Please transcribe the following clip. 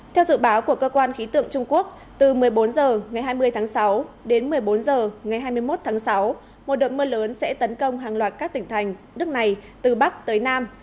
theo dự báo của cơ quan khí tượng trung quốc từ một mươi bốn h ngày hai mươi tháng sáu đến một mươi bốn h ngày hai mươi một tháng sáu một đợt mưa lớn sẽ tấn công hàng loạt các tỉnh thành nước này từ bắc tới nam